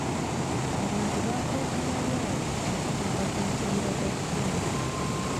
Abantu baafuuka bayaaye bwe kituuka ku nsonga za ssente.